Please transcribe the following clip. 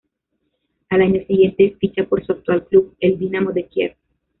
Al año siguiente ficha por su actual club, el Dinamo de Kiev.